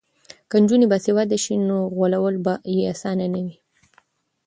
که نجونې باسواده شي نو غولول به یې اسانه نه وي.